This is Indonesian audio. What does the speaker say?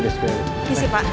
bisa sih pak